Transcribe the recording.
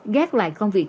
ghét lại không dịch